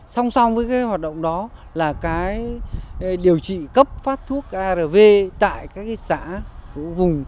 song song với hoạt động đó là điều trị cấp phát thuốc arv tại các xã vùng